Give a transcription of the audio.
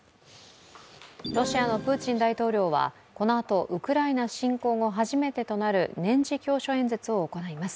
ロシアのプーチン大統領はこのあとウクライナ侵攻後初めてとなる年次教書演説を行います。